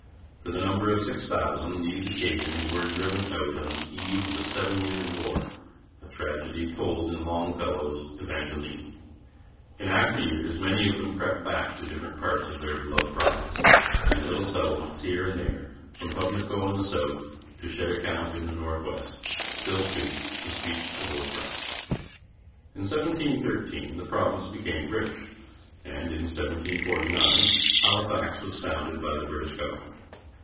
To the number of six thousand these Acadians were driven out on the eve of the Seven Years' War, a tragedy told of in Longfellow's Evangeline. In after years many of them crept back to different parts of their beloved province, and little settlements here and there, from Pubnico in the south to Cheticamp in the north west, still speak the speech of Old France. In 1713 the province became British, and in 1749 Halifax was founded by the British government.